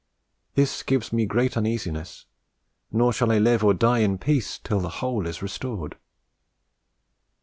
This gives me great uneasiness, nor shall I live or die in peace till the whole is restored."